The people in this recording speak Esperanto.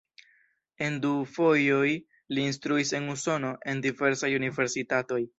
En du fojoj li instruis en Usono en diversaj universitatoj.